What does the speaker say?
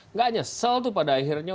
nggak nyesel tuh pada akhirnya